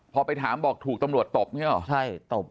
พอไปถามบอกถูกตำรวจตบใช่ไหม